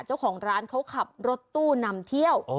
เจ้าของร้านเขาขับรถตู้นำเที่ยว